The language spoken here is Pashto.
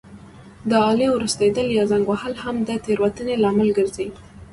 د آلې ورستېدل یا زنګ وهل هم د تېروتنې لامل ګرځي.